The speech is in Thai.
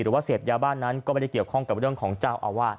หรือเสพญาบ้านก็ไม่ได้เกี่ยวข้องกับเจ้าอาวาส